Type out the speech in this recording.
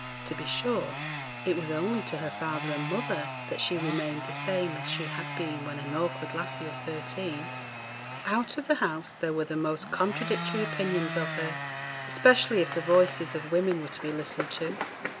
To be sure, it was only to her father and mother that she remained the same as she had been when an awkward lassie of thirteen. Out of the house there were the most contradictory opinions of her, especially if the voices of women were to be listened to.